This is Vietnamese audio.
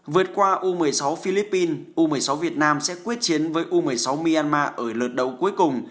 vượt qua u một mươi sáu philippines u một mươi sáu việt nam sẽ quyết chiến với u một mươi sáu myanmar ở lượt đấu cuối cùng